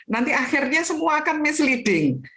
nanti akhirnya semua akan misleading